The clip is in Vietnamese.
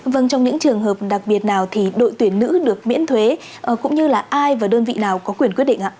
vâng trong những trường hợp đặc biệt nào thì đội tuyển nữ được miễn thuế cũng như là ai và đơn vị nào có quyền quyết định ạ